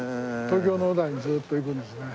東京農大にずっと行くんですね。